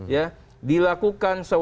ya dilakukan seorang